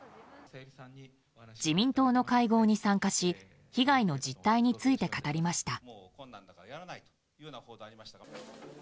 自民党の会合に参加し被害の実態について語りました。